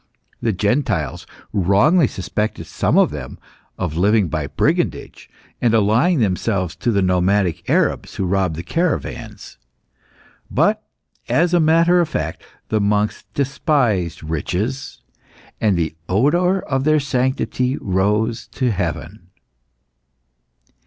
The Gentiles wrongly suspected some of them of living by brigandage, and allying themselves to the nomadic Arabs who robbed the caravans. But, as a matter of fact, the monks despised riches, and the odour of their sanctity rose to heaven.